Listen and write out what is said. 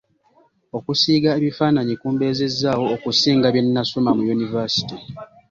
Okusiiga ebifaananyi kumbeezezzaawo okusinga bye nnasoma mu Yunivasite.